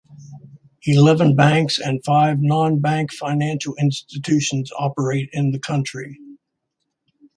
Eleven banks and five non-bank financial institutions operate in the country.